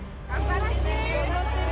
頑張ってね。